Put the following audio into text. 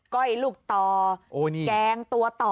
้อยลูกต่อแกงตัวต่อ